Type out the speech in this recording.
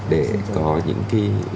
để có những cái